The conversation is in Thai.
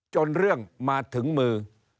จนเรื่องมาถึงมือ